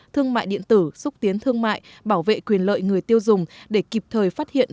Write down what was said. thương mại điện tử xúc tiến thương mại bảo vệ quyền lợi người tiêu dùng để kịp thời phát hiện